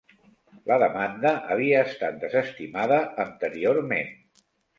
La demanda havia estat desestimada anteriorment.